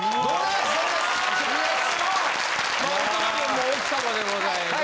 お隣はもう奥様でございます。